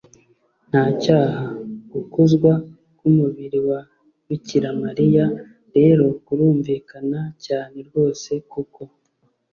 nta cyaha. gukuzwa k’umubiri wa bikira mariya rero kurumvikana cyane rwose kuko